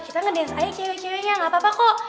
kita ngedance aja cewek ceweknya gak apa apa kok